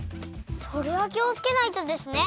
それはきをつけないとですね！